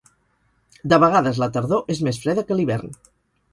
De vegades la tardor és més freda que l'hivern.